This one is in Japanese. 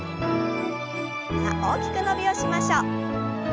さあ大きく伸びをしましょう。